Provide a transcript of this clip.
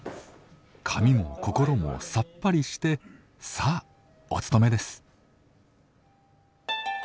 髪も心もさっぱりしてさあお勤めです。